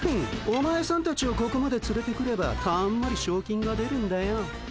お前さんたちをここまでつれてくればたんまりしょう金が出るんだよ。